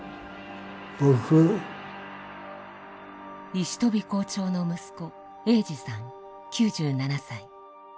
石飛校長の息子英二さん９７歳。